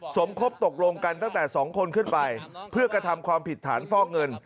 สมคบตกลงกันตั้งแต่๒คนขึ้นไปเพื่อกระทำความผิดฐานฟอกเงิน